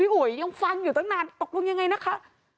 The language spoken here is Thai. อุ๋ยยังฟังอยู่ตั้งนานตกลงยังไงนะคะ